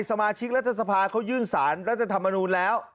สมาชิกรัฐสภาเขายื่นสารรัฐธรรมนูลแล้ว